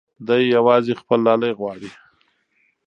دی یوازې خپل لالی غواړي.